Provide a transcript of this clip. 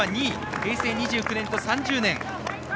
平成２９年と３０年。